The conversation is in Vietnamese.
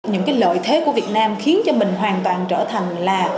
những cái lợi thế của việt nam khiến cho mình hoàn toàn trở thành là